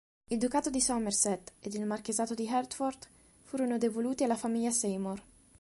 Il Ducato di Somerset ed il Marchesato di Hertford, furono devoluti alla famiglia Seymour.